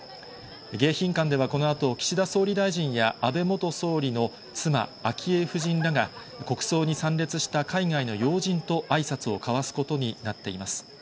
迎賓館ではこのあと、岸田総理大臣や、安倍元総理の妻、昭恵夫人らが、国葬に参列した海外の要人とあいさつを交わすことになっています。